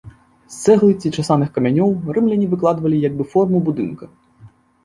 З цэглы ці часаных камянёў рымляне выкладвалі як бы форму будынка.